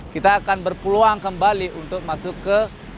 kita akan berpeluang kembali untuk masuk ke